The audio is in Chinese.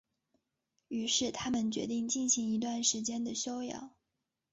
于是他们决定进行一段时间的休养。